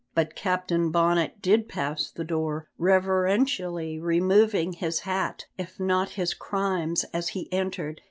But Captain Bonnet did pass the door, reverentially removing his hat, if not his crimes, as he entered.